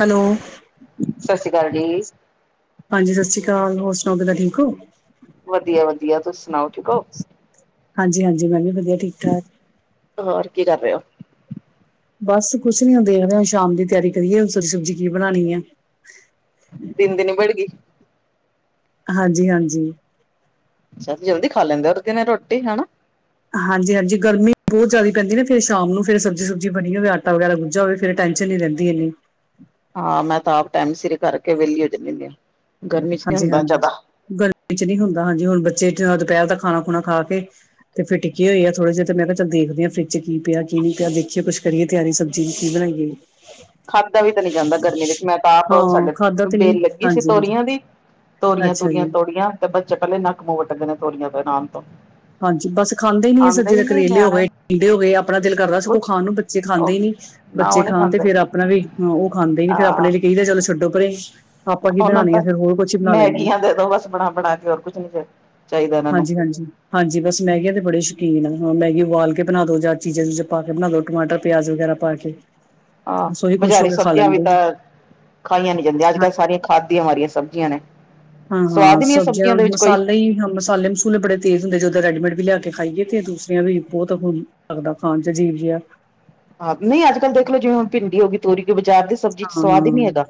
Hello ਸਾਸਰੀ ਕਾਲ ਜੀ ਹਾਂਜੀ ਸਾਸਰੀ ਕਾਲ ਜੀ, ਹੋਰ ਸੁਨਾਓ ਖਿਦਾ ਠੀਕ ਔ? ਵਧੀਆ ਵਧੀਆ ਤੁਸੀ ਸੁਣਾਓ, ਠੀਕ ਔ? ਹਾਂਜੀ-ਹਾਂਜੀ ਮੈਂ ਵੀ ਵਧੀ ਹੋਰ ਕੀ ਕਰ ਰਹੇ ਔ? ਬਸ ਕੁਛ ਨੀ ਹੁਨ ਦੇਖ ਰਹੇ ਆ ਸ਼ਾਮ ਦੀ ਤਿਆਰੀ ਕਰੀਏ ਸਬਜ਼ੀ ਸੁਬਜੀ ਕੀ ਬਣਾਣੀ ਏ, ਦਿਨ ਦੀ ਨਿਬੜ ਗੀ ਹਾਂਜੀ-ਹਾਂਜੀ, ਅੱਛਾ ਜਲਦੀ ਖਾ ਲੈਂਦੇ ਉਰਗੇ ਨੇ ਰੋਟੀ ਹੈਨਾ ਹਾਂਜੀ-ਹਾਂਜੀ ਗਰਮੀ ਬਹੁਤ ਜਆਦਾ ਪੈਂਦੀ ਨਾ ਫੇਰ ਸ਼ਾਮ ਨੂੰ ਫਿਰ ਸਬਜੀ ਸੁਬਜੀ ਬਣੀ ਹੋਵੇ ਆਟਾ ਵਗੈਰਾ ਗੁੱਝਾ ਹੋਵੇ ਫਿਰ ਬੇਚੈਨੀ ਰਹਿੰਦੀ ਇਨੀ ਹਾਂ ਮੈਂ ਤਾਂ ਆਪ ਟਾਈਮ ਸਿਰ ਕਰਕੇ ਵੇਹਲੀ ਹੋ ਜਾਂਦੀ ਹੁਨੀ ਆ ਗਰਮੀ ਚ ਨੀ ਹੁੰਦਾ ਹਾਂਜੀ-ਹਾਂਜੀ ਜ਼ਿਆਦਾ ਗਰਮੀ ਚ ਨਹੀਂ ਹੁੰਦਾ ਹਾਂਜੀ ਹੁਣ ਬੱਚੇ ਦੁਪਹਿਰ ਦਾ ਖਾਣਾ ਖੁਣਾ ਖਾ ਕੇ ਤੇ ਫਿ ਟਿਕੇ ਹੋਏ ਆ ਥੋੜੇ ਜਿਹੇ ਤੇ ਮੈਂ ਕਿਹਾ ਚੱਲ ਦੇਖਦੇ ਹਾਂ ਫਰਿੱਜ ਚ ਕੀ ਪਿਆ ਕੀ ਨਹੀਂ ਪਿਆ ਦੇਖੀਏ ਕੁਛ ਕਰੀਏ ਤਿਆਰੀ ਸਬਜ਼ੀ ਨੂੰ ਕੀ ਬਣਾਈਏ ਖਾਧਾ ਵੀ ਤਾਂ ਨਹੀਂ ਜਾਂਦਾ ਗਰਮੀ ਦੇ ਵਿੱਚ ਮੈਂ ਤਾਂ ਆਪ ਹਾਂ ਸਾਡੇ ਖਾਧਾ ਤੇ ਨਹੀਂ ਬੇਲ ਲੱਗੀ ਸੀ ਹਾਂਜੀ ਹਾਂਜੀ ਤੋਰੀਆਂ ਦੀ ਤੋਰੀਆਂ ਅੱਛਾ ਤੂਰੀਆਂ ਜੀ ਤੋੜੀਆਂ ਤੇ ਬੱਚੇ ਕਲੇ ਨੱਕ ਮੂੰਹ ਵਟਦੇ ਨੇ ਤੋਰੀਆਂ ਤੋਂ ਨਾਮ ਤੋਂ ਹਾਂਜੀ, ਬਸ ਖਾਂਦੇ ਨੀ ਇਹ ਸਬਜ਼ੀ ਹੀ ਦੇ। ਨੀ ਕਰੇਲੇ ਹੋ ਨਿਆਣੇ ਗਏ, ਟਿਂਡੇ ਹੋ ਗਏ, ਆਪਣਾ ਦਿਲ ਕਰਦਾ ਸਗੋਂ ਕੁਛ ਖਾਣ ਨੂੰ ਬੱਚੇ ਖਾਂਦੇ ਉਹ ਹੀ ਨੀ ਨਾ ਉਹ ਬੱਚੇ ਨੀ ਖਾਣ ਤੇ ਖਾਂਦੇ ਫੇਰ ਆਪਣਾ ਵੀ। ਉਹ ਖਾਂਦੇ ਹੀ ਨੀ ਫ਼ਿਰ ਆਹ ਆਪਣੇ ਲਈ ਕਹੀਦਾ ਚੱਲ ਛੱਡੋ ਪਰੇ। ਆਪਾਂ ਕੀ ਉਹਨਾਂ ਨੂੰ ਬਣਾਉਣੇ ਆ ਤਾਂ ਫਿਰ ਹੋਰ ਕੁਛ ਹੀ ਬਣਾ ਲੈਂਦੇ ਹਾਂ ਮੈਗੀਆਂ ਦੇ ਦੋ ਬਸ ਬਣਾ-ਬਣਾ ਕੇ ਹੋਰ ਕੁਛ ਨੀ ਚਾਹੀਦਾ ਇਹਨਾਂ ਨੂੰ ਹਾਂਜੀ-ਹਾਂਜੀ, ਹਾਂਜੀ ਬਸ ਮੈਗੀਆਂ ਤੇ ਬੜੇ ਸ਼ੌਕੀਨ ਆਂ ਹਂ ਮੈਗੀ ਉਬਾਲ ਕੇ ਬਣਾ ਦੋ ਜਾਂ ਚੀਜ਼ਾਂ-ਚੂਜਾਂ ਪਾ ਕੇ ਬਣਾ ਦੋ ਟਮਾਟਰ, ਪਿਆਜ ਵਗੈਰਾ ਪਾ ਕੇ। ਹਾਂ, ਬਸ ਉਹੀ ਖੁਸ਼ ਹੋ ਬਜ਼ਾਰੀ ਕੇ ਖਾ ਸਬਜ਼ੀਆਂ ਵੀ ਲੈਂਦੇ ਆ ਤਾਂ ਖਾਈਆਂ ਨੀ ਜਾਂਦੀਆਂ। ਅੱਜ-ਕੱਲ ਸਾਰੀਆਂ ਖਾਦ ਦੀਆਂ ਮਾਰੀਆਂ ਸਬ -ਜੀਆਂ ਨੇ। ਹਾਂ-ਹਾਂ, ਸਵਾਦ ਹੀ ਨੀ ਹੈ ਸਬਜ਼ੀਆਂ ਦੇ ਵਿੱਚ ਕੋਈ ਮਸਾਲੇ ਹੀ ਹਾਂ ਮਸਾਲੇ-ਮਸੂਲੇ ਬੜੇ ਤੇਜ਼ ਹੁੰਦੇ ਜਦੋਂ ਰੈਡੀਮੇਡ ਵੀ ਲਿਆ ਖਾਈਏ ਤੇ ਦੂਸਰਿਆਂ ਵੀ ਬਹੁਤ ਹੁਣ ਲੱਗਦਾ ਖਾਣ ਚ ਅਜੀਬ ਜਿਹਾ -ਹਾਂ। ਨਹੀਂ ਅੱਜ-ਕੱਲ ਦੇਖਲੋ ਜਿਵੇਂ ਹੁਣ ਭਿੰਡੀ ਹੋ ਗਈ ਤੋਰੀ ਕਿ ਬਾਜ਼ਾਰ ਦੀ ਸਬਜ਼ੀ ਚ ਹਾਂ ਸਵਾਦ ਹੀ ਨਹੀਂ ਹਾਂ ਹੈਗਾ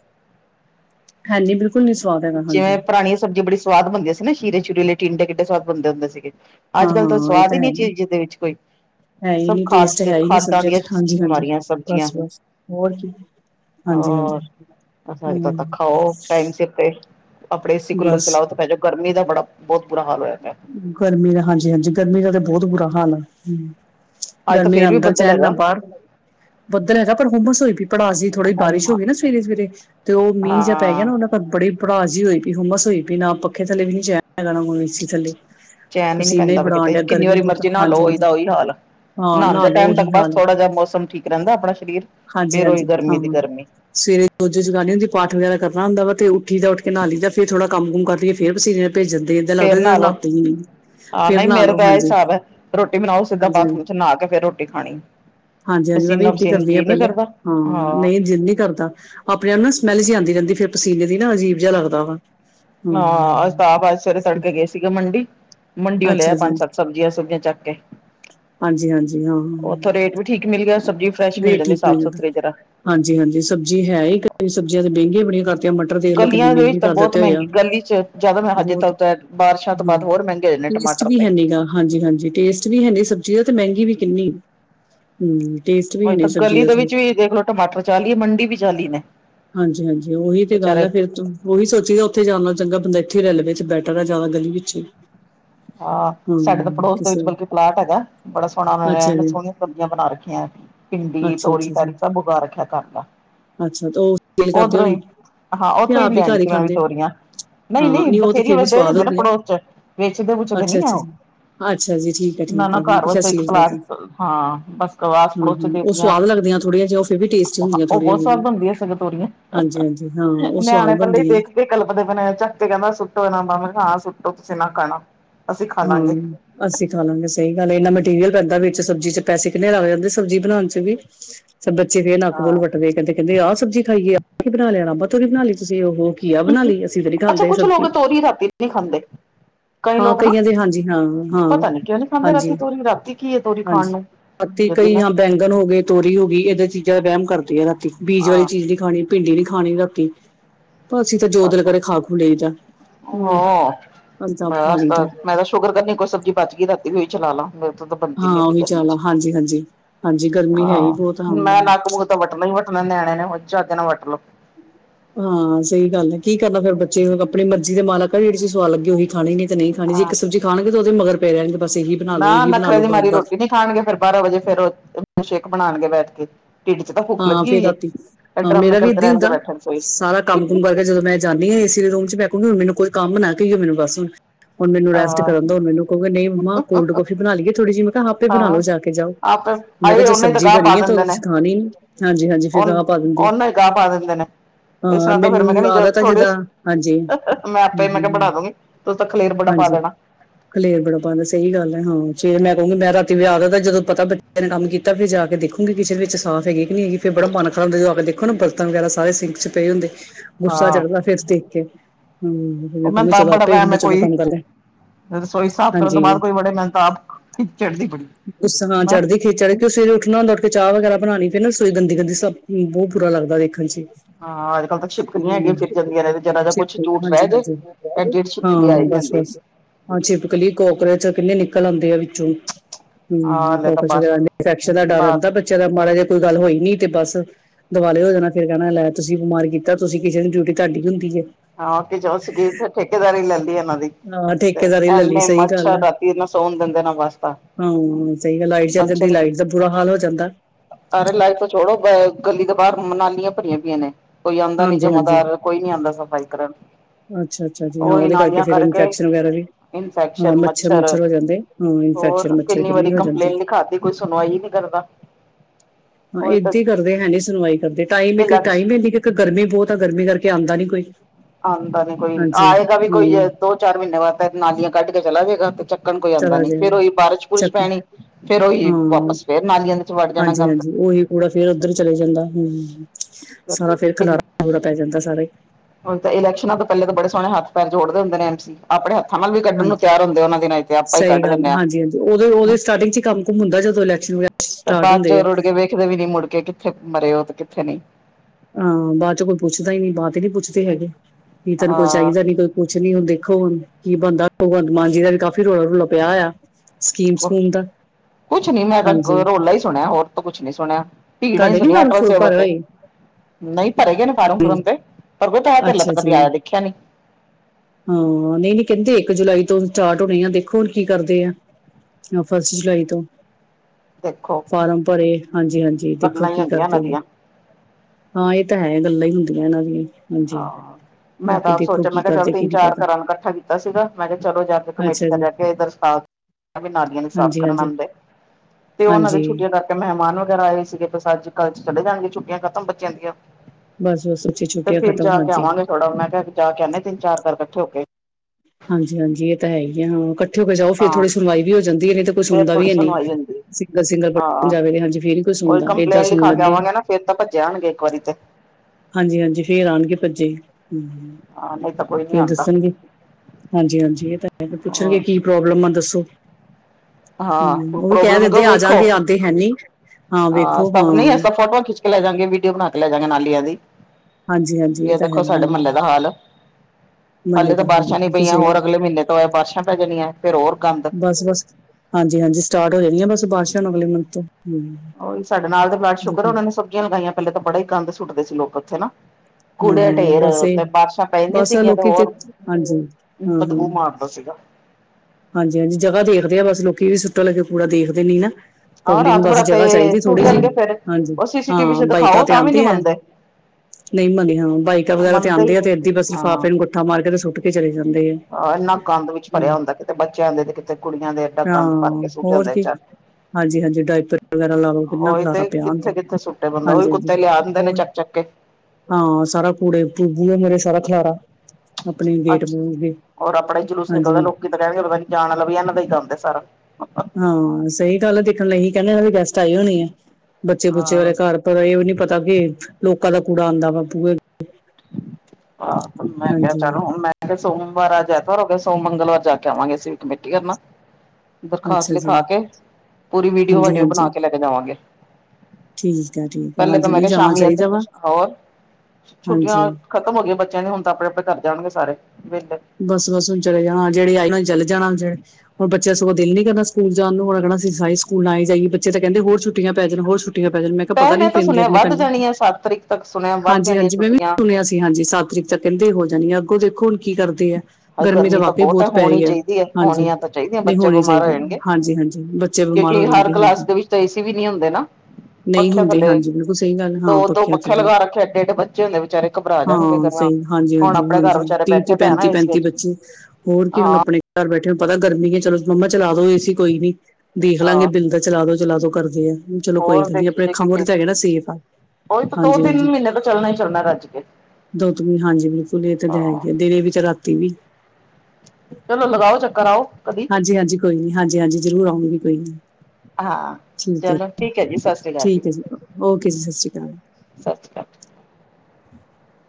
ਹੈਨੀ ਬਿਲਕੁਲ ਨੀ ਸਵਾਦ ਹੈਗਾ ਹਾਂਜੀ ਜਿਵੇਂ ਪਰਾਣੀਆਂ ਸਬਜ਼ੀਆਂ ਬੜੀ ਸਵਾਦ ਬਣਦੀਆਂ ਸੀ ਨਾ ਚਿਰੇ-ਚੁਰੇ ਆਲੇ ਟਿੰਡੇ ਕਿੱਡੇ ਸਵਾਦ ਬਣਦੇ ਹੁੰਦੇ ਸੀਗੇ ਹਾਂ ਅੱਜ-ਕੱਲ ਤਾਂ ਹਾਂ ਇਹ ਸਵਾਦ ਹੀ ਨਹੀਂ ਹੈਗਾ ਚੀਜ਼ ਜਿਹਦੇ ਵਿੱਚ ਕੋਈ। ਸਭ ਖਾਦ ਤੇ ਖਾਦਾਂ ਦੀਆਂ ਹਾਂਜੀ-ਹਾਂਜੀ ਮਾਰੀਆਂ ਬਸ-ਬਸ ਹੋਰ ਕੀ। ਹਾਂਜੀ ਹਾਂਜੀ ਹੋਰ, ਅਸਲ ਇਚ ਹਾਂ ਤਾਂ ਖਾਓ ਟਾਈਮ ਸਿਰ ਤੇ। ਆਪਣੇ ਏਸੀ ਕੂਲਰ ਬਸ ਚਲਾਓ ਤਾਂ ਪੈ ਜਾਓ। ਗਰਮੀ ਦਾ ਬੜਾ ਬਹੁਤ ਬੁਰਾ ਹਾਲ ਹੋਇਆ ਪਿਆ ਗਰਮੀ ਦਾ ਹਾਂਜੀ-ਹਾਂਜੀ ਗਰਮੀ ਦਾ ਤੇ ਬਹੁਤ ਬੁਰਾ ਹਾਲ ਆ। ਅੱਜ ਤਾਂ ਗਰਮੀ ਫੇਰ ਵੀ ਅੰਦਰ ਬੱਦਲ ਚੈਣ ਨਾ ਹੈਗਾ ਬਾਹਰ ਬੱਦਲ ਹੈਗਾ ਪਰ ਹੁਮਸ ਹੋਈ ਪਈ, ਭੜਾਸ ਜੀ ਥੋੜੀ ਬਾਰਿਸ਼ ਹਮ ਹੋ ਗਈ ਨਾ ਸਵੇਰੇ-ਸਵੇਰੇ ਤੇ ਉਹ ਮੀਂਹ ਜਾ ਪੈ ਗਿਆ ਹਾਂ ਨਾ ਉਹਨਾਂ ਤਾਂ ਬੜੇ ਪੜਾਸ ਜੀ ਹੋਈ ਪਈ, ਹੁਮਸ ਹੋਈ ਪਈ। ਨਾ ਪੱਖੇ ਥੱਲੇ ਵੀ ਨੀ ਚੈਨ ਹੈਗਾ ਨਾ ਹੁਣ ਏਸੀ ਥਲੇ ਚੈਨ ਹੀ ਨੀ ਪੈਂਦਾ ਪਯਾ ਕਿਤੇ। ਕਿੰਨੀ ਵਾਰੀ ਬਹੁਤ ਮਰਜ਼ੀ ਨਾਹ ਲਓ ਹਾਂਜੀ ਓਹੀ ਹਾਂਜੀ ਦਾ ਓਹੀ ਹਾਲ ਆ। ਹਾਂ ਨਹਾ ਨਹਾਉਦੇ ਲਓ ਟਾਈਮ ਤੱਕ ਉਹੀ ਬਸ ਹਾਲ ਆ। ਥੋੜਾ ਜਿਹਾ ਮੌਸਮ ਠੀਕ ਰਹਿੰਦਾ ਆਪਣਾ ਸਰੀਰ। ਫੇਰ ਉਹੀ ਹਾਂਜੀ-ਹਾਂਜੀ, ਗਰਮੀ ਹਾਂ। ਦੀ ਗਰਮੀ ਸਵੇਰੇ ਜੋਤ-ਜੂਤ ਜਗਾਣੀ ਹੁੰਦੀ ਪਾਠ ਵਗੈਰਾ ਕਰਨਾ ਹੁੰਦਾ ਵ ਤੇ ਉੱਠੀਦਾ। ਉਠ ਕੇ ਨਾਹ ਲਈ ਦਾ। ਫੇਰ ਥੋੜਾ ਕੰਮ-ਕੁਮ ਕਰ ਲਿਏ ਫੇਰ ਪਸੀਨੇ ਨਾਲ ਭੇਜ ਜਾਂਦੇ ਆ ਫੇਰ ਨਾਹ ਲੋ। ਹਾਂ ਨਹੀਂ ਨਹਾ ਮੇਰਾ ਲੋ ਤਾਂ ਇਹ ਹਾਂਜੀ, ਹਿਸਾਬ ਹੈ ਰੋਟੀ ਬਣਾਓ ਸਿੱਧਾ ਹਾਂਜੀ-ਹਾਂਜੀ, ਬਾਥਰੂਮ ਚ ਨਾਹਾ ਕੇ ਫਿਰ ਰੋ ਏ ਖਾਣੀ ਹਾਂਜੀ-ਹਾਂਜੀ ਮੈਂ ਵੀ ਪਸੀਨੋ ਇੱਦ ਹੀ ਪਸੀਨ ਕਰਦੀ ਹਾਂ ਜੀਅ ਨੀ ਪਹਿਲੇ। ਕਰਦਾ ਹਾਂ, ਨਹੀਂ ਜਿੰਨੀ ਕਰਦਾ ਆਪਣੇ ਆਪ ਨਾ ਸਮੈਲ ਚ ਆਉਂਦੀ ਏ। ਜਾਂਦੀ ਫਿਰ ਪਸੀਨੇ ਦੀ ਨਾ ਅਜੀਬ ਜੇਹਾ ਲੱਗਦਾ ਵਾ ਹੂੰ, ਹਾਂਆਂ, ਅਸੀਂ ਤਾਂ ਆਪ ਸਵੇਰੇ ਤੜਕੇ ਗਏ ਸੀਗੇ ਮੰਡੀ ਮੰਡੀਓ ਲੇ ਅੱਛਾ ਆਏ ਜੀ, ਪੰਜ ਸੱਤ ਸਬਜ਼ੀਆਂ-ਸੁਬਜ਼ੀਆਂ ਚੱਕ ਕੇ। ਹਾਂਜੀ ਹਾਂ ਉੱਥੋਂ ਰੇਟ ਵੀ ਠੀਕ ਮਿਲ ਗਿਆ ਸਬਜ਼ੀ ਫਰੈਸ਼ ਰੇਟ ਜਾਂਦੀ ਠੀਕ ਮਿਲ ਸਾਫ਼ ਜਾਂਦਾ ਸੁਥਰੀ ਜਰਾ ਹਾਂਜੀ-ਹਾਂਜੀ ਸਬਜ਼ੀ ਹੈ ਹੀ ਕ ਸਬਜ਼ੀਆਂ ਦੇ ਮਹਿੰਗੀਆਂ ਬੜੀਆਂ ਕਰ ਮਟਰ ਦੇਖ ਲੋ ਕਿੰਨੇ ਗਲੀਆਂ ਦੇ ਵਿੱਚ ਮਹਿੰਗੇ ਤਾਂ ਬਹੁਤ ਦਿੱਤੇ ਹੋਏ ਆ। ਮਹਿੰਗੀ, ਗਲੀ ਚ ਜ਼ਿਆਦਾ ਮੈਂ ਹਜੇ ਬਹੁਤ ਤੱਕ ਬਾਰਿਸ਼ਾਂ ਤੋਂ ਹੂੰ, ਬਾਅਦ ਹੋਰ ਮਹਿੰਗੇ ਹੇ ਜਾਣੀ। ਟੇਸਟ ਵੀ ਹੈਨੀ ਗਾ ਹਾਂਜੀ-ਹਾਂਜੀ। ਟੇਸਟ ਵੀ ਹੈਨੀ ਸਬਜ਼ੀ ਦਾ ਤੇ ਮਹਿੰਗੀ ਵੀ ਕਿੰਨੀ ਹੁਂ। ਉਈ ਤਾਂ। ਗਲੀ ਦੇ ਵਿੱਚ ਵੀ ਦੇਖ ਲੋ ਟਮਾਟਰ ਚਾਹੀ ਹੈ ਮੰਡੀ ਵੀ ਚਾਲੀ ਨੇ। ਹਾਂਜੀ-ਹਾਂਜੀ ਉਹੀ ਤੇ ਗੱਲ ਵਿਚਾਰੇ ਆ ਫੇਿਰ ਉਹੀ ਸੋਚੀਦਾ ਉੱਥੇ ਜਾਣ ਨਾਲ ਚੰਗਾ ਬੰਦਾ ਉੱਥੇ ਰੈਲਵੇ ਚ ਬੈਟਰ ਹੈ ਜ਼ਿਆਦਾ ਗਲੀ ਵਿੱਚ ਹਾਂ, ਹੂੰ ਸਾਡੇ ਤਾਂ ਪੜੋਸ ਦੇ ਕਿਸੇ ਵਿੱਚ ਬਲਕਿ ਪਲਾਟ ਹੈਗਾ ਬੜਾ ਸੋਹਣਾ ਓਨਹਾਂਨੇ ਅੱਛਾ ਏਨੀ ਜੀ ਸੋਹਣੀਆਂ ਸਬਜ਼ੀਆਂ ਬਣਾ -ਰੱਖਿਆ। ਭਿੰਡੀ, ਅੱਛਾ ਅੱਛਾ ਤੋਰੀ-ਤਾਰੀ ਜੀ ਸਭ ਉਗਾ ਰੱਖਿਆ ਘਰ ਦਾ। ਅੱਛਾ ਤੇ ਉਹ ਸੇਲ ਕਰਦੇ ਓਧਰੋਂ ਹੋਣੇ ਹੀ। ਹਾਂ, ਕਿ ਓਥੋਂ ਹੀ ਆਪ ਲਿਆਈ ਘਰ ਸੀ ਮੈਂ ਵੀ ਖਾਂਦੇ ਤੋਰੀਆਂ। ਹਾਂ ਨਹੀਂ-ਨਹੀਂ ਨਹੀਂ ਉਹ ਤਾਂ ਬਥੇਰੀਆਂ ਫਿਰ ਵੀ ਵਿੱਚ ਦੇ ਸਵਾਦ ਦਿੰਦੇ ਨਾ ਹੁੰਦੀ ਆ ਪੜੋਸ ਚ ਵਿੱਚ ਓ ਵਿੱਚ ਦੇ ਅੱਛਾ ਨਹੀਂ ਆ ਅੱਛਾ ਉਹ? ਜੀ ਅੱਛਾ ਜੀ ਠੀਕ ਆ ਠੀਕ ਨਾ-ਨਾ ਆ ਮੈਂ ਘਰ ਕਿਹਾ ਸ਼ਾਇਦ ਵਾਸਸੇ ਇੱਕ ਸੀਲ ਕਰਦੇ ਪਲਾਟ, ਹਾਂਆਂ। ਬਸ ਕਵਾਸ ਹਾਂ ਪੜੋਚ ਹਾਂ ਉਹ ਦੇਤੀਆਂ। ਸਵਾਦ ਲੱਗਦੀਆਂ ਥੋੜ੍ਹੀਆਂ ਜਿਹੀਆਂ ਉਹ ਫਿਰ ਵੀ ਟੇਸਟੀ ਹੁੰਦੀਆਂ ਉਹ ਥੋੜ੍ਹੀਆਂ ਬਹੁਤ ਸਵਾਦ ਜਿਹੀਆਂ ਬਣਦੀਆਂ ਸਗੋੰ ਤੋਰੀਆਂ। ਹਾਂਜੀ ਹਾਂਜੀ ਹਾਂ ਉਹ ਨਿਆਣੇ ਸਵਾਦ ਪੱਲੇ ਹੀ ਬਣਦੀਆਂ ਦੇਖ ਕੇ ਕਲਪ ਦੇ ਪਯੇ ਣੋ। ਚਕ ਕੇ ਕਹਿੰਦਾ ਸੁੱਟੋ ਇਹਨਾ ਨੁਂ। ਹਾਂ ਸੈਂ ਕਿਹਾ ਹਾਂ, ਸੁਟੋ ਤੁਸੀਂ ਨਾ ਖਾਣਾ। ਅਸੀਂ ਖਾ ਲਾਂਗੇ ਹਾਂ ਅਸੀਂ ਖਾ ਲਾਂਗੇ ਸਹੀ ਗੱਲ ਏ। ਇੰਨਾ ਮਟੀਰੀਅਲ ਪੈਂਦਾ ਵਿੱਚ ਸਬਜ਼ੀ ਚ। ਪੈਸੇ ਕਿੰਨੇ ਲੱਗ ਜਾਂਦੇ ਸਬਜ਼ੀ ਬਣਾਉਣ ਚ ਵੀ। ਚ ਬੱਚੇ ਫੇਰ ਨੱਕ ਹਾਂ ਬੋਲ ਵੱਟਦੇ ਕਹਿੰਦੇ, ਕਹਿੰਦੇ ਆ ਸਬਜ਼ੀ ਖਾਈ ਆ [inaudible] ਬਣਾ ਲੈਣਾ ਥ ਤੋਰੀ ਬਣਾ ਲਈ ਤੁਸੀਂ, ਓਹੋ। ਘੀਆ ਬਣਾ ਲਈ। ਅਸੀਂ ਤਾਂ ਨਹੀਂ ਅੱਛਾ ਖਾਂਦੇ ਏਹ ਕੁਛ ਲੋਕ ਸਬਜ਼ੀ। ਤੋਰੀ ਰਾਤੀ ਨਹੀਂ ਖਾਂਦੇ ਕਈ ਹਾਂ ਲੋਕ ਨਾ ਕਈਆਂ ਦੇ ਹਾਂਜੀ ਹਾਂ ਹਾਂ ਪਤਾ ਨੀ ਕਿਉਂ ਨੀ ਖਾਂਦੇ ਹਾਂਜੀ ਰਾਤੀ ਤੋਰੀ ਰਾਤੀ ਕੀ ਹੈ ਤੋਰੀ ਖਾਣ ਹਾਂਜੀ ਨੂੰ ਰਾਤੀ ਜਦੀ ਕਈ ਨਾ ਆ ਬੈਂਗਨ ਹੋ ਗਏ ਤੋਰੀ ਹੋ ਗਈ ਇਹਦੇ ਚੀਜ਼ਾਂ ਦਾ ਵਹਿਮ ਕਰਦੇ ਆ ਰਾਤੀ ਬੀਜ ਵਾਲੀ ਆਹ ਚੀਜ਼ ਨਹੀਂ ਖਾਣੀ ਭਿੰਡੀ ਜਿਹੜੀ ਖਾਣੀ ਨਾ ਪਰ ਅਸੀਂ ਤਾਂ ਜੋ ਦਿਲ ਪਤਾ ਕਰੇ ਖਾ ਖੂ ਲਈ ਦਾ ਹਮ ਹੋ ਅ ਤਾਂ ਖਾ ਲਈਦਾ ਮੈਂ ਤਾਂ ਸ਼ੁਕਰ ਕਰਨੀ ਕੋਈ ਸਬਜ਼ੀ ਬਚ ਗਈ ਰਾਤੀ ਉਹੀ ਚਲਾ ਲਾ। ਮੇਰੇ ਤੋਂ ਤਾਂ ਬਣਦੀ ਹਾਂ ਨੀ ਐੱਡੀ ਉਹੀ ਗਰਮੀ ਚਾਲ ਆ ਚ। ਹਾਂਜੀ ਹਾਂਜੀ ਹਾਂਜੀ ਗਰਮੀ ਹੈ ਹੀ ਬਹੁਤ ਆਹ ਮੈਂ ਹਾਂ ਨੱਕ ਮੂੰਹ ਤਾਂ ਵੱਟਣਾ ਹੀ ਵੱਟਣਾ ਨਿਆਣਿਆਂ ਨੇ ਚੱਜ ਨਾਲ ਵੱਟ ਲ ਹਾਂ ਸਹੀ ਗੱਲ ਹੈ ਕੀ ਕਰਨਾ ਫੇਰ ਬੱਚੇ ਆਪਣੀ ਮਰਜ਼ੀ ਦੇ ਮਾਲਕ ਆ ਜਿਹੜੀ ਚੀਜ਼ ਸਵਾਦ ਲੱਗੀ ਉਹੀ ਖਾਣੀ ਨੀ। ਤੇ ਨਹੀਂ ਖਾਣੀ ਜ ਇੱਕ ਹਾਂ ਸਬਜ਼ ਖਾਣਗੇ ਤੇ ਉਹਦੇ ਮਗਰ ਪਏ ਰਹਿਣਗੇ। ਬਸ ਇਹੀ ਬਣਾ ਨਾ ਲੋ ਇਹੀ ਬਣਾ ਨਖਰੇ ਲੋ ਦੀ ਬਸ ਮਾਰੀ ਬਸ ਰੋਟੀ ਨੀ ਖਾਣਗੇ ਫਿਰ ਬਾਰਾਂ ਵਜੇ ਫੇਰ ਮੈਂਗੋ ਸ਼ੇਕ ਬਣਾਉਣਗੇ ਬੈਠ ਕੇ ਢਿੱਡ ਚ ਤਾਂ ਭੁੱਖ ਹਾਂ ਲੱਗੀ ਫੇਰ ਹੋਈ ਰਾਤੀ ਹੈ ਹਾਂ ਡਰਾਮੇ ਮੇਰਾ ਵੀ ਕਰਦੇ ਏਦਾਂ ਹੀ ਰਹਿਣਗੇ ਹੁੰਦਾ। ਬੈਠਣ ਸੋਈ ਚ ਸਾਰਾ ਕੰਮ ਕੁਮ ਕਰਕੇ ਜਦੋਂ ਮੈ ਜਾਂਦੀ ਹਾਂ ਏ ਸੀ ਰੂਮ ਚ ਮੈਂ ਕਹਾਂਗੀ ਮੈਨੂੰ ਕੋਈ ਕੰਮ ਨਾ ਕਹੀਓ ਬਸ ਹੁਣ। ਹੁਣ ਮੈਨੂੰ ਰੈਸਟ ਆਹ ਕਰਨ ਦੋ ਹੁਣ ਮੈਨੂੰ ਕਹਿੰਗੇ ਨਹੀਂ ਮੰਮਾ ਕੋਲਡ ਕੋਫੀ ਬਣਾ ਲਈਏ ਥੋੜੀ ਜਿਹੀ ਮੈਂ ਕਿਹਾ ਹ ਆਪੇ ਬਣਾ ਹਾਂ ਲੋ ਜਾ ਕੇ ਜਾਓ। ਆਪੇ ਮੈਂ ਕਿਹਾ ਹਾਏ ਜ ਉਹਨੇ ਤਾਂ ਸਬਜ਼ੀ ਗਾਹ ਪਾ ਬਣੀ ਆ ਤਾ ਦਿੰਦੇ ਨੇ ਤੁਸੀਂ ਖਾਣੀ ਨੀ। ਹਾਂਜੀ ਹਾਂਜੀ ਫਿਰ ਉਹ ਗਾਹ ਪਾ ਦਿੰਦੇ। ਉਹਨੂੰ ਹੀ ਗਾਹ ਪਾ ਦਿੰਦੇ ਨੇ ਇਸ ਹਾਂ ਤਰ੍ਹਾਂ ਤਾਂ ਫਿਰ ਮੈਨੂੰ ਮੈਂ ਕਹਿੰਦੀ ਜਦ ਆਦਤ ਹੈ ਥੋੜੇ ਜਿੱਦਾ ਹਾਂਜੀ ਮੈਂ ਆਪੇ ਮੈਂ ਕਿਹਾ ਹਾਂ। ਬਣਾ ਦੂੰਗੀ ਤੂੰ ਤਾਂ ਖਲੇਰ ਬੜਾ ਪਾ ਦੇਣਾ ਖਲੇਰ ਬੜਾ ਪਾਉਂਦਾ ਸਹੀ ਗੱਲ ਹੈ ਹਾਂ ਜੇ ਮੈਂ ਕਹੂੰਗੀ ਮੈਂ ਰਾਤੀ ਵੀ ਆਦਤ ਜਦੋਂ ਪਤਾ ਬੱਚਿਆਂ ਨੇ ਕੰਮ ਕੀਤਾ ਫਿਰ ਜਾ ਕੇ ਦੇਖੂੰਗੀ ਕਿਚਨ ਵਿੱਚ ਸਾਫ਼ ਹੈਗੇ। ਨਿ ਹੈਗੀ ਫਿਰ ਬੜਾ ਮਨ ਖਰਾਬ ਹੁੰਦਾ ਆ ਦੇਖੋ ਨਾ ਬਰਤਨ ਵਗੈਰਾ ਸਾਰੇ ਸਿੰਕ ਚ ਪਏ ਹੁੰਦੇ। ਗੁੱਸਾ ਹਾਂ ਚੜਦਾ ਫਰਿਜ ਦੇਖ ਕੇ ਹਮ ਮੈਂ ਉਹ ਮੈਨੂੰ ਕਹ ਤਾਂ ਆਪ ਚਲੋ ਬੜਾ ਆਪੇ ਹੀ ਵਹਿਮ ਕਦੇ ਹੈ ਚੰਗਾ ਕੋਈ ਕੰਮ ਕਰਦੇ। ਰਸੋਈ ਸਾਫ਼ ਕਰਨ ਤੋਂ ਬਾਅਦ ਕੋਈ ਵੜੇ ਮੈਨੂੰ ਤੇ ਆਪ ਚਿੜਦੀ ਬੜੀ ਗੁੱਸਾ ਮੈਂ ਚੜਦਾ ਖਿਜ ਚੜਦੀ ਕੇ ਸਵੇਰੇ ਉੱਠਣਾ ਹੁੰਦਾ ਉੱਠ ਕੇ ਚਾਹ ਵਗੈਰਾ ਬਣਾਉਣੀ। ਕਹਿੰ ਨਾ ਰਸੋਈ ਗੰਦੀ ਗੰਦੀ ਸਭ ਬਹੁਤ ਬੁਰਾ ਲੱਗਦਾ ਦੇਖਣ ਚ। ਹਾਂ ਅੱਜ ਕੱਲ ਤਾਂ ਛਿਪਕਲੀਆਂ ਹੈਗੀਆਂ ਫਿਰ ਜਾਂਦੀਆਂ ਨੇ ਤੇ ਜਰਾ ਜਾ ਕੁਛ ਝੂਠ ਰਹਿ ਹਾਂਜੀ ਜੇ ਹਾਂਜੀ ਐਡੀ ਐਡੀ ਹਾਂ। ਛਿਪਕਲੀ ਆ ਜਾਂਦੀ ਬਸ ਹੁੰਦੀ ਬਸ ਹਾਂ ਛਿਪਕਲੀ ਕੋਕਰੇਚ ਕਿੰਨੇ ਨ ਪਹਿਲਾਂ ਆਉਂਦੀ ਆ ਵਿੱਚੋਂ ਹਾਂ ਹਲੇ ਹਮ ਤਾਂ ਵਗੈ ਬਸ ਇਨਫੈਕਸ਼ਨ ਦਾ ਡਰ ਰਹਿੰਦਾ ਬੱਚੇ ਦਾ ਮਾੜਾ ਜਿਹਾ। ਕੋਈ ਗੱਲ ਹੋਈ ਨੀ ਤੇ ਬਸ ਦਵਾਲੇ ਹੋ ਜਾਣਾ ਫੇਰ ਕਹਿਣਾ ਲੈ ਤੁਸੀ ਬਿਮਾਰ ਕੀਤਾ ਤੁਸੀਂ ਕਿਸੇ ਦੀ ਡਿਊਟੀ ਤੁਹਾਡੀ ਹੁੰਦੀ ਏ। ਹਾਂ ਕਿ ਜੋ ਸਕੀਰ ਠੇਕੇਦਾਰੀ ਹੀ ਲੈਂਦੇ। ਦੀ ਹਾਂ ਤੇ ਠੇਕੇਦਾਰੀ ਲੱਲੀ ਐਨੇ ਸਹੀ ਮੱਛ ਗੱਲ ਆ ਰਾਤੀ ਇਹਨਾ ਸੋਣ ਦਿੰਦੇ ਨੇ ਬਸਤਾ ਹਾਂ ਸਹੀ ਗੱਲ ਐ ਲਾਈਟ ਚੱਲ ਜਾਂਦੀ ਲਾਈਟ ਦਾ ਬੁਰਾ ਹਾਲ ਹੋ ਜਾਂਦਾ। ਅਰੇ ਲਾਈਫ ਤਾਂ ਛੋੜੋ। ਗਲੀ ਦੇ ਬਾਹਰ ਨਾਲੀਆਂ ਭਰੀਆਂ ਪਈਆਂ ਨੇ ਕੋਈ ਆਉਂਦਾ ਨੀ ਹਾਂਜੀ ਹਾਂਜੀ ਜਮਾਂਦਾਰ ਕੋਈ ਨੀ ਆਉਂਦਾ ਸਫ਼ਾਈ ਕਰਨ ਅੱਛਾ ਅੱਛਾ ਜੀ ਹਾਂ ਉਹੀ ਉਹਦੇ ਕਰਕੇ ਨਾਲੀਆਂ ਫੇਰ ਇਨਫੈਕਸ਼ਨ ਵਗੈਰਾ ਵੀ ਹਾਂ ਇਨਫੈਕਸ਼ਨ ਮੱਛਰ ਮੁੱਛਰ ਹੋ ਜਾਂਦੇ ਹਾਂ ਹੋਰ ਇਨਫੈਕਸ਼ਨ ਮੱਛਰ ਕਿੰਨੀ ਵਾਰੀ ਹੋ ਜਾਂਦੀ ਕੰਪਲੇਨ ਲਿਖਾਤੀ ਕੋਈ ਸੁਣਵਾਈ ਨਹੀਂ ਕਰਦੇ। ਵ ਹਾਂ ਏਦੀ ਹੀ ਕਰਦੇ ਹੈ ਨੀ ਸੁਣਵਾਈ ਕਰਦੇ ਟਾਈਮ ਇੱਕ ਇਲੈਕਸ਼ ਟਾਈਮ ਹੈ ਨਹੀਂ ਇੱਕ ਗਰਮੀ ਬਹੁਤ ਆ। ਗਰਮੀ ਕਰਕੇ ਆਉਂਦਾ ਨੀ ਕੋਈ। ਆਉਂਦਾ ਨੀ ਕੋਈ ਹਾਂਜੀ ਆਏਗਾ ਵੀ ਕੋਈ ਹਮ ਦੋ ਚਾਰ ਮਹੀਨੇ ਬਾਅਦ ਤਾਂ ਨਾਲੀਆਂ ਕੱਢ ਕੇ ਚਲਾ ਜਾਵੇਗਾ। ਚੱਕਣ ਕੋਈ ਆਉਂਦਾ, ਚਲਾ ਨੀ ਫੇਰ ਜਾਏਗਾ ਉਹੀ ਬਾਰਿਸ਼ ਬੁਰਿਸ਼ ਚੱਕ ਪੈਣੀ ਫਿਰ ਉਹੀ ਹਾਂ ਵਾਪਸ ਫੇਰ ਨਾਲੀਆਂ ਦੇ ਚ ਵੜ ਜਾਣਾ ਹਾਂਜੀ ਗੰਦ। ਹਾਂਜੀ ਉਹੀ ਕੂੜਾ ਫੇਰ ਉਧਰ ਚਲੇ ਜਾਂਦਾ ਹਮ। ਸਾਰਾ ਫੇਰ ਖਿਲਾਰਾ ਖਲੂਰਾ ਪੈ ਜਾਂਦਾ ਸਾਰਾ ਈ। ਹੁਣ ਤਾਂ ਇਲੈਕਸ਼ਨਾਂ ਤੋਂ ਪਹਿਲੇ ਤਾਂ ਬੇਣੇ ਸੋਹਣੇ ਹੱਥ ਪੈਰ ਜੋੜਦੇ ਹੁੰਦੇ ਨੇ ਐਮ ਸੀ। ਆਪਣੇ ਹੱਥ ਥਲ ਵੀ ਕੱਢਣ ਹਾਂਜੀ ਨੂੰ ਤਿਆਰ ਹੁੰਦੇ ਉਹਨਾਂ ਦਿ ਨਾਲ ਤੇ ਆਪਾਂ ਹੀ ਸਹੀ ਕੱਢ ਗੱਲ ਦਦੇ ਹੈ ਹਾਂ। ਹਾਂਜੀ ਹਾਂਜੀ ਉਦੋਂ ਉਦੋਂ ਸਟਾਰਟਿੰਗ ਚ ਹੀ ਕੰਮ ਕੁਮ ਹੁੰਦਾ ਜਦੋਂ ਇਲੈਕਸ਼ਨ ਵਗੈਰਾ ਤਾਂ ਸਟਾਰਟ ਬਾਅਦ ਹੁੰਦੇ ਆ ਚਰ ਉੜ ਕੇ ਵੇਖਦੇ ਵੀ ਨੀ ਮੁੜ ਕੇ ਕਿੱਥੇ ਮਰੇ ਉਹ ਤੇ ਕਿੱਥੇ ਨਹੀਂ। ਹਾਂ ਬਾਅਦ ਚ ਕੋਈ ਪੁੱਛਦਾ ਹੀ ਨੀ ਬਾਅਦ ਤੇ ਨੀ ਪੁੱਛਦੇ ਹੈਗੇ ਨਹੀਂ ਤੈਨੂੰ ਕੋਈ ਹਾਂ ਚਾਹੀਦਾ ਨੀ ਕੋਈ ਪੁੱਛ ਨੀ ਹੁੰਦੇ। ਦੇਖੋ ਹੁਣ ਕੀ ਬੰਦਾ ਭਗਵੰਤ ਮਾਨ ਜੀ ਦਾ ਵੀ ਕਾਫ਼ੀ ਰੌਲਾ ਰੁਲਾ ਪਿਆ ਹੋਇਆ। ਕੁ ਕੁਛ ਨੀ ਮੈਂ ਤਾਂ ਹਾਂਜੀ ਰੋਲਾ ਹੀ ਸੁਣਿਆ ਹੋਰ ਤਾਂ ਕੁਛ ਨੀ ਸੁਣਿਆ। ਭੀ ਨਹੀਂ ਤੁਹਾਡੇ ਨੀ ਸੁਣ ਫਾਰਮ ਅਟਲ ਫੂਰਮ ਸੇਬ ਭਰੇ ਤੇ ਹੋਏ ਨਹੀਂ ਭਰੇ ਗਏ ਨੇ ਫਾਰਮ ਫਰਮ ਤੇ ਪਰ ਤਾਂ ਤੇ ਲ ਤਾਂ ਅੱਛਾ ਕਦੇ ਜੀ ਆਇਆ ਦੇਖਿਆ ਨੀ। ਹਾਂ ਨਹੀਂ ਨਹੀਂ ਕਹਿੰਦੇ ਇੱਕ ਜੁਲਾਈ ਤੋਂ ਸਟਾਰਟ ਹੋਣੇ ਆ ਦੇਖੋ ਕੀ ਕਰਦੇ ਆ ਫਸਟ ਜੁਲਾਈ ਤੋਂ ਦੇਖੋ ਫਾਰਮ ਭਰੇ ਹਾਂਜੀ ਹਾਂਜੀ ਦੇਖੋ ਕਤਲਾਂ ਹੀ ਕੀ ਹੁੰਦੀਆਂ ਕਰਦੇ ਇਹਨਾਂ ਆ। ਦੀਆਂ ਹਾਂ ਇਹ ਤਾਂ ਹੈ ਗੱਲਾਂ ਹੀ ਹੁੰਦੀਆਂ ਇਹਨਾਂ ਦੀਆਂ ਹਾਂਜੀ ਆਹ। ਮੈਂ ਬਾਕੀ ਤਾਂ ਆਪ ਦੇਖੋ ਸੋਚਿਆ ਮੈਂ ਕੀ ਕਿਹਾ ਚਲ ਕਰਦੇ ਕੀ ਤਿੰਨ ਨਹੀਂ ਚਾਰ ਕਰਦੇ ਘਰਾਂ ਨੂੰ ਇਕੱਠਾ ਕੀਤਾ ਸੀਗਾ ਮੈਂ ਕਿਹਾ ਚਲੋ ਜਾ ਕੇ ਕਮੇਟੀ ਅੱਛਾ ਦਾ ਜੀ ਜਾ ਕੇ ਇਧਰ ਵੀ ਨਾਲੀਆਂ ਨੂੰ ਸਾਫ਼ ਹਾਂਜੀ ਕਰਨ ਹਾਂਜੀ ਆਉਂਦਾ। ਤੇ ਉਹਨਾਂ ਦੇ ਹਾਂਜੀ ਛੁੱਟੀਆਂ ਕਰਕੇ ਮਹਿਮਾਨ ਵਗੈਰਾ ਆਏ ਸੀਗੇ ਤੇ ਅੱਜ ਕੱਲ ਚ ਚਲੇ ਜਾਣਗੇ। ਚੁੱਕੀਆਂ ਖਤਮ ਬੱਚਿਆਂ ਦੀਆਂ। ਬਸ ਬੱਸ। ਫਿਰ ਜਾ ਕੇ ਆਵਾਂਗੇ ਥੋੜਾ ਮੈਂ ਕਿਹਾ ਜਾ ਤਿੰਨ ਚਾਰ ਕਰ ਇਕੱਠੇ ਹੋ ਕੇ ਹਾਂਜੀ-ਹਾਂਜੀ ਇਹ ਤਾਂ ਹੈ ਹੀ ਆ ਹਾਂ ਇਕੱਠੇ ਹੋ ਕੇ ਜਾਓ ਫੇਰ ਹਾਂ ਥੋੜ੍ਹੀ ਸੁਣਵਾਈ ਵੀ ਹੋ ਜਾਂਦੀ ਹੈ ਨੇ ਤੇ ਕੁਛ ਫੇਰ ਹੁੰਦਾ ਥੋੜੀ ਵੀ ਹੈ ਨੀ ਸੁਣਵਾਈ ਹੁੰਦੀ ਸਿੰਗਲ ਸਿੰਗਲ ਹਾਂ ਜਾਵੇ ਹਾਂਜੀ ਫੇਰ ਹੀ ਕੁਛ ਹਣਦਾ ਏਦਾਂ ਸੁਣ ਲੈਂਦੇ ਆ। ਭਜਣਗੇ ਇੱਕ ਵਾਰੀ ਤੇ ਹਾਂਜੀ-ਹਾਂਜੀ ਫੇਰ ਆਣ ਕੇ ਭੱਜੇ ਹ ਹਾਂ ਨਹੀਂ ਤਾਂ ਕੋਈ ਨੀ ਕੀ ਆਂਦਾ ਦੱਸਣਗੇ ਹਾਂਜੀ ਹਾਂਜੀ ਪੁੱਛਣਗੇ ਕੀ ਪ੍ਰੋਬਲਮ ਆ ਦੱਸੋ ਹਮ, ਹਾਂ ਉਹ ਵੀ ਕਹਿ ਪ੍ਰੋਬਲਮ ਕਰ ਦਿੰਦੇ ਆ ਵੇਖੋ ਜਾਾਂਗੇ ਆਂਦੇ ਹੈ ਨੀ ਹਾਂ ਸਭ ਨਹੀਂ ਫੋਟੋਆਂ ਖਿੱਚ ਕੇ ਲੈ ਜਾਂਗੇ ਵੀਡੀਓ ਬਣਾ ਕੇ ਲੈ ਜਾਗੇ ਨਾਲੀਆਂ ਦੀ। ਹਾਂਜੀ ਹਾਂਜੀ ਇਹ ਵੀ ਤਾਂ ਹੈ ਦੇਖੋ ਸਾਡੇ ਮੁਹੱਲੇ ਦਾ ਹਾਲ। ਮਹੱਲੇ ਹਾਲੇ ਤਾਂ ਦਾ ਹਾਂ ਬਾਰਿਸ਼ਾਂ ਨਹੀਂ ਬਿਲਕੁਲ ਪਈਆਂ ਸਹੀ ਹੋਰ ਗੱਲ ਅਗਲੇ ਮਹੀਨੇ ਤੋਂ ਆ ਬਾਰਿਸ਼ਾਂ ਪੈ ਜਾਣੀਆਂ ਫਿਰ ਹੋਰ ਗੰਦ। ਹਾਂਜੀ-ਹਾਂਜੀ। ਸਟਾਰਟ ਹੋ ਜਾਨੀਆਂ ਬਸ ਬਾਰਿਸ਼ਾ ਅਗਲੇ ਮੰਥ ਤੋਂ ਹਮ, ਓਹੀ ਸਾਡੇ ਨਾਲ ਤੇ ਪਲਾਟ ਸ਼ੁਕਰ ਦੇਖੋ ਉਹਨਾਂ ਨੇ ਸਬਜ਼ੀਆਂ ਲਗਾਈਆਂ ਪਹਿਲਾਂ ਤਾਂ ਬੜਾ ਹੀ ਗੰਦ ਸੁੱਟਦੇ ਸੀ ਲੋਕ ਉੱਥੇ ਨਾ। ਹਾਂ ਕੂੜੇ ਹਾਂ ਢੇਰ ਬਸ ਇਹ ਤੇ ਬਾਰਿਸ਼ਾਂ ਪੈਂਦੀਆਂ ਬਸ ਆਹ ਸੀਗੀਆਂ ਤੇ ਲੋਕੀ ਹੋਰ ਹਾਂਜੀ ਬਦਬੂ ਮਾਰਦਾ ਸੀ। ਸੀਗਾ ਹਾਂਜੀ-ਹਾਂਜੀ। ਜਗ੍ਹਾ ਦੇਖਦੇ ਆ ਬਸ ਲੋਕੀ ਵੀ ਸੁੱਟਨ ਲਗਏ ਕੂੜਾ ਦੇਖਦੇ ਨੀ ਨਾ। ਆਹ ਪਬਲਿਕ ਨੂੰ ਰਾਤ ਬਸ ਬਰਾਤੇ ਜਗ੍ਹਾ ਚਾਹੀਦੀ ਸੁੱਟ ਥੋੜ੍ਹੀ ਜਿਹੀ ਜਾਣਗੇ ਫੇਰ ਹਾਂਜੀ ਉਹ ਸੀ-ਸੀ ਟੀਵੀ ਹਾਂ ਚ ਬਾਈਕਾਂ ਦਿਖਾਓ ਤੇ ਤਾਂ ਵੀ ਨੀ ਆਉਂਦੇ ਆ ਮੰਨਦੇ। [inaudible] ਨਹੀਂ ਮੰਨਦੀ ਹਣ ਬਾਈਕਾਂ ਵਗੈਰਾ ਮੰਨਦੇ ਹੀ ਆਂਦੇ ਆ ਤੇ ਨਹੀਂ ਇਦਾਂ ਲਫਾਫੇ ਨੂੰ ਗੱਠਾਂ ਮਾਰ ਤੇ ਸੁੱਟ ਕੇ ਚਲੇ ਜਾਂਦੇ ਹਾਂ। ਆਹ ਇੰਨਾ ਕੰੰਦ ਵਿੱਚ ਭਰਿਆ ਹੁੰਦਾ ਕਿਤੇ ਬੱਚਿਆਂ ਦੇ ਤੇ ਕਿਤੇ ਕੁੜੀਆਂ ਦੇ ਇਦਾਂ ਗੰਦ ਭਰ ਹਾਂ ਕੇ ਸੁਟ ਹੋਰ ਜਾਂਦੇ ਕੀ ਚਲ। ਹਾਂਜੀ ਹਾਂਜੀ ਡਾਇਪਰ ਵਗੈਰਾ ਲਾ ਲਓ ਕਿੰਨਾ ਉਹੀ ਖਲਾਰਾ ਤੇ ਪਿਆ ਹੁੰਦਾ ਕਿੱਥੇ-ਕਿੱਥੇ ਸੁੱਟੇ ਬੰਦਾ ਉਹੀ ਹਾਂਜੀ ਹਾਂਜੀ ਕੁੱਤੇ ਲਿਆ ਦਿੰਦੇ ਨੇ ਹੋਰ ਚੱਕ-ਚੱਕ [inaudible] ਹਾਂ ਸਾਰਾ ਕੂੜੇ ਭੂੂਵੇ ਮੋਰੇ ਸਾਰਾ ਖਲਾਰਾ ਆਪਣੇ ਗੇਟ ਅੱਛਾ ਮੂਹਰੇ ਹੋਰ ਆਪਣੇ ਹੀ ਜਲੂਸ ਨਿਕਲਦਾ ਹਾਂਜੀ ਲੋਕੀ ਤਾਂ ਕਹਿਣਗੇ ਪਤਾ ਨੀ ਜਾਣ ਵਾਲਾ ਵੀ ਇਹਨਾਂ ਦਾ ਹੀ ਗਉਂਦੇ ਇਹੀ ਕਹਿੰਦੇ ਹ ਵੀ ਗੈਸਟ ਆਏ ਹੋਨੇ ਹੈ ਬੱਚੇ ਬੁੱਚੇ ਹਾਂ ਵਾਲੇ ਘਰ ਪਤਾ ਨਹੀਂ ਲੋਕਾਂ ਦਾ ਕੂੜਾ ਆਉਂਦਾ ਵਾ ਬੂਹੇ ਆਹ ਤੇ ਮੈਂ ਕਿਹਾ ਹਾਂਜੀ ਚਲੋ ਮੈਂ ਤੇ ਸੋਮਵਾਰ ਅੱਜ ਐਤਵਰ ਹੋ ਗਿਆ ਮੰਗਲਵਾਰ ਜਾ ਕੇ ਆਵਾਂਗੇ ਅਸੀਂ ਵੀ ਕਮੇਟੀ ਕਰਨਾ। ਦਰਖਾਸਤ ਅੱਛਾ ਜੀ ਲਿਖਾ ਕੇ ਪੂਰੀ ਵੀਡੀਓ ਹਾਂਜੀ ਵਾਡੀਓ ਬਣਾ ਹਾਂਜੀ ਕੇ ਲੈ ਕੇ ਜਾਵਾਂਗੇ। ਠੀਕ ਹੈ-ਠੀਕ ਹੈ। ਪਹਿਲੇ ਤਾਂ ਹਾਂਜੀ, ਮੈਂ ਨਹੀਂ ਕਿਹਾ ਜਾਣਾ ਸ਼ਾਮੀ ਚਾਹੀਦਾ ਇਥੇ ਵਾ ਹੋਰ ਛੁੱਟੀਆਂ ਹਾਂਜੀ ਖਤਮ ਹੋ ਗਈਆ ਬੱਚਿਆਂ ਦੀ ਹੁਣ ਤਾ ਆਪਣੇ ਆਪਣੇ ਘਰ ਜਾਣਗੇ ਸਾਰੇ। ਵਿਹਲੇ ਬਸ ਬਸ ਹੁਣ ਚਲੇ ਜਾਣਾ ਜਿਹੜੇ ਆਏ ਹੋਣ ਓਹਨਾ ਚਲੇ ਜਾਣਾ ਜੇ ਹੁਣ। ਜੱਸੂ ਦਾ ਦਿਲ ਨੀ ਕਰਦਾ ਸਕੂਲ ਜਾਣ ਨੂੰ ਓਨੇ ਕਹਿਣਾ ਸੀ ਹਾਏ ਸਕੂਲ ਨਾ ਈ ਜਾਈਏ ਬੱਚੇ ਤਾ ਕਹਿੰਦੇ ਹੋਰ ਛੁੱਟੀਆਂ ਪੈ ਜਾਣ ਹੋਰ ਛੁੱਟੀਆਂ। ਪੈ ਜਾਣ ਮੈਂ ਕਿਹਾ ਪਤਾ ਨੀ ਪਹਿਲੇ ਤਾਂ ਪੈਂਦੀਆਂ ਸੁਣਿਆ ਕ ਨੀ ਵੱਧ ਪੈਂਦੀਆਂ ਜਾਣੀ ਹੈ ਸੱਤ ਤਰੀਕ ਤੱਕ ਸੁਣਿਆ ਵੱਧ ਹਾਂਜੀ ਜਾਣੀਆਂ ਹਾਂਜੀ ਮੈਂ ਵੀ ਛੁੱਟੀਆਂ ਸੁਣਿਆ ਸੀ ਹਾਂਜੀ ਸੱਤ ਤਾਂ ਕਹਿੰਦੇ ਹੋ ਜਾਣੀ ਆ ਅੱਗੋ ਦੇਖੋ ਹੁਣ ਕੀ ਕਰਦੇ ਆ। ਹਾਏ ਗਰਮੀ ਤਾ ਤਾਂ ਵਾਕਈ ਬਹੁਤ ਪੈ ਹੋਣੀ ਰਹੀ ਹੈ ਚਾਹੀਦੀ ਹਾਂਜੀ ਹੋਣੀਆਂ ਤਾਂ ਚਾਹੀਦੀਆਂ ਨਹੀ ਬੱਚੇ ਹੋਣੀ ਬਿਮਾਰ ਹੋ ਚਾਹੀਦੀ ਏ ਜਾਣਗੇ ਹਾਂਜੀ ਹਾਂਜੀ ਬੱਚੇ ਬਿਮਾਰ ਹੋ ਕਿਉਂਕਿ ਹਰ ਜਾਣਗੇ ਕਲਾਸ ਹਾਂਜੀ ਦੇ ਵਿੱਚ ਤਾ ਏਸੀ ਵੀ ਨੀ ਹੁੰਦੇ ਨਾ। ਨਹੀਂ ਪੱਖਿਆਂ ਹੁੰਦੇ ਥੱਲੇ ਹਾਂਜੀ ਬਿਲਕੁਲ ਸਹੀ ਗੱਲ ਹਾਂ ਦੋ ਦੋ ਪੱਖਿਆ ਪੱਖੇ ਥੱਲੇ ਲਗਾ ਰੱਖੇ ਏਡੇ ਏਡੇ ਬੱਚੇ ਹੁੰਦੇ ਵਿਚਾਰੇ ਘਬਰਾ ਜਾਣਗੇ ਹਾਂ ਪਹਿਲਾ ਸਹੀ ਹਾਂਜੀ ਹੁਣ ਹਾਂਜੀ ਆਪਣੇ ਘਰ ਹਾਂਜੀ ਵਿਚਾਰੇ ਤੀਹ ਬੈਠੇ। ਤੀਹ ਤਾਂ ਹੈ ਨਾ ਪੈਂਤੀ ਏਸੀਆਂ ਪੈਂਤੀ ਚ ਹੋਰ ਕੀ ਹੁਣ ਹਾਂ ਆਪਣੇ ਘਰ ਬੈਠੇ ਹੋ ਪਤਾ ਗਰਮੀ ਹੈ ਚਲੋ ਮੰਮਾ ਚਲਾਦੋ ਏਸੀ ਕੋਈ ਨੀ ਦੇਖਲਾਗੇ ਹਾਂ ਬਿੱਲ ਦਾ ਚਲਾ ਦੋ ਚਲਾ ਦੋ ਕਰਦੇ ਆ ਚਲੋ ਕੋਈ ਹੋਰ ਨਾ ਦੇਖੀ ਆਪਣੀ ਅੱਖਾਂ ਜਾਏਗੀ ਮੁਹਰੇ ਫਿਰ ਤੇ ਹੈਗੇ ਨਾ ਸੇਫ ਆ। ਉਹੀ ਤਾ ਦੋ ਹਾਂਜੀ ਤਿੰਨ ਮਹੀਨੇ ਤੇ ਚੱਲਣਾ ਹੀ ਚੱਲਣਾ ਰੱਜ ਕੇ, ਦੁੱਧ ਵੀ ਹਾਂਜੀ ਬਿਲਕੁਲ ਇਹ ਤੇ ਆ ਹਾਂ ਦਿਨ ਵੀ ਤੇ ਰਾਤੀ ਵੀ ਚਲੋ ਲਗਾਓ ਚੱਕਰ ਆਓ, ਕਦੀ ਹਾਂਜੀ-ਹਾਂਜੀ ਕੋਈ ਨੀ ਹਾਂਜ- ਹਾਂਜੀ ਜਰੂਰ ਆਉਗੀ ਕੋਈ ਨੀ ਹਾਂ ਠੀਕ ਹੈ ਚਲੋ ਠੀਕ ਜੀ ਸਤਿ ਸ੍ਰੀ ਅਕਾਲ ਠੀਕ ਹੈ ਜੀ ਓਕੇ ਜੀ ਸਤਿ ਸ਼੍ਰੀ ਅਕਾਲ [inaudible] ਹੂੰ, [inaudible]